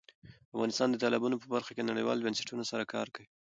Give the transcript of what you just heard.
افغانستان د تالابونه په برخه کې نړیوالو بنسټونو سره کار کوي.